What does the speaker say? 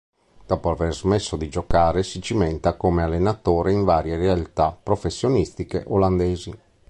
Dopo aver smesso di giocare si cimenta come allenatore in varie realtà professionistiche olandesi.